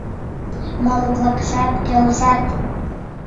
Моло-влакшат келшат.